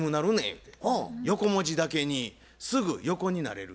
言うて「横文字だけにすぐ横になれる」